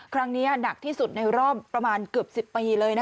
หนักที่สุดในรอบประมาณเกือบ๑๐ปีเลย